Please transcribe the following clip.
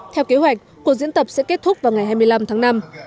theo kế hoạch cuộc diễn tập sẽ kết thúc vào ngày hai mươi năm tháng năm